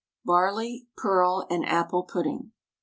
BARLEY (PEARL) AND APPLE PUDDING.